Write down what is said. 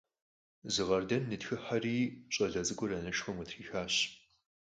Зы къардэн нытхыхьэри, щӀалэ цӀыкӀур анэшхуэм къытрихащ.